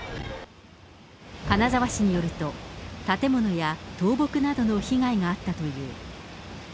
金沢市によると、建物や倒木などの被害があったという。